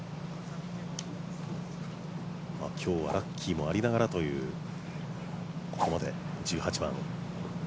今日はラッキーもありながらという、ここまで１８番。